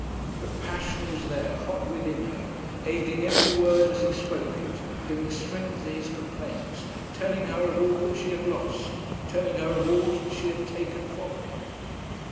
But passion was there, hot within her, aiding every word as he spoke it, giving strength to his complaints, telling her of all that she had lost, telling her of all she had taken from him.